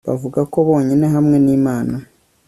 Bavuga ko bonyine hamwe nImana